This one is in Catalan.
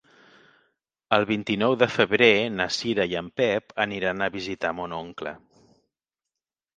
El vint-i-nou de febrer na Cira i en Pep aniran a visitar mon oncle.